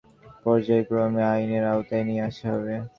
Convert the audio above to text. এসব মামলার সঙ্গে সংশ্লিষ্ট সবাইকে পর্যায়ক্রমে আইনের আওতায় নিয়ে আসা হবে।